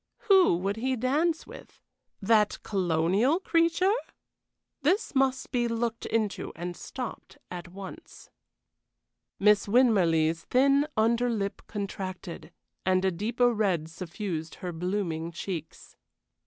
Who would he dance with? That colonial creature? This must be looked into and stopped at once. Miss Winmarleigh's thin under lip contracted, and a deeper red suffused her blooming cheeks.